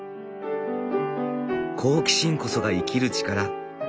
好奇心こそが生きる力。